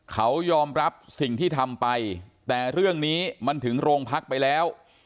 เขายอมรับสิ่งที่ทำไปแต่เรื่องนี้มันถึงโรงพักไปแล้ว